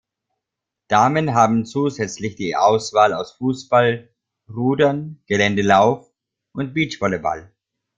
Damen haben zusätzlich die Auswahl aus Fußball, Rudern, Geländelauf und Beachvolleyball.